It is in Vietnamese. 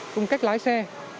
cung cách lái xe